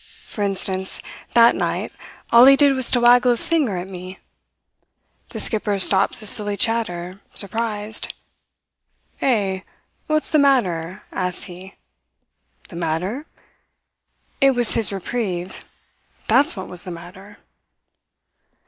For instance, that night, all he did was to waggle his finger at me. The skipper stops his silly chatter, surprised. "'Eh? What's the matter?' asks he. "The matter! It was his reprieve that's what was the matter.